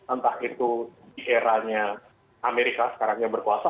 entah itu di eranya amerika sekarang yang berkuasa